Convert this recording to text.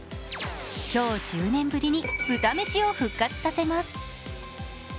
今日、１０年ぶりに豚めしを復活させます。